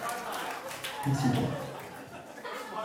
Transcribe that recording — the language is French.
Ainsi donc.